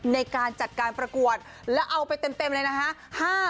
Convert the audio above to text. ในการจัดการประกวดแล้วเอาไปเต็มเลยนะฮะ